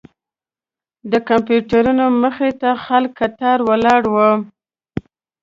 د کمپیوټرونو مخې ته خلک کتار ولاړ وو.